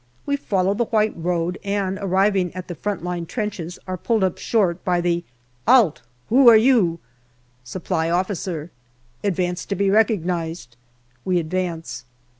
We follow the white road, and arriving at the front line trenches are pulled up short by the " 'Alt, who are you ?"" Supply Officer." " Advance to be recognized." We advance.